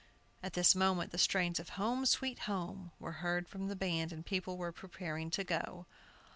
At this moment the strains of "Home, Sweet Home" were heard from the band, and people were seen preparing to go.